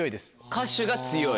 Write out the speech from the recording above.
歌手が強い。